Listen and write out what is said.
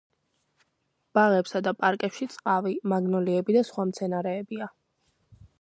ბაღებსა და პარკებში წყავი, მაგნოლიები და სხვა მცენარეებია.